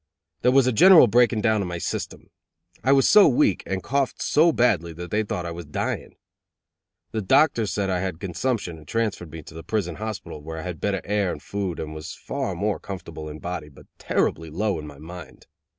There was a general breaking down of my system. I was so weak and coughed so badly that they thought I was dying. The doctors said I had consumption and transferred me to the prison hospital, where I had better air and food and was far more comfortable in body but terribly low in my mind.